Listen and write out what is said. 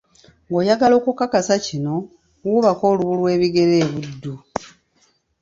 Ng'oyagala okukakasa kino, wuubako olubu lwebigere e Buddu.